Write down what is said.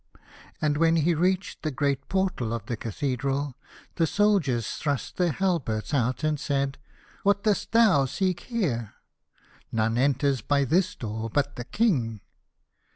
And when he reached the great portal of the cathedral, the soldiers thrust their halberts out and said, " What dost thou seek here ? None enters by this door but the King."